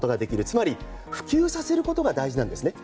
つまり、普及させることが大事なんですね。